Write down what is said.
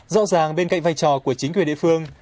rõ ràng bên cạnh vai trò của chính quyền địa phương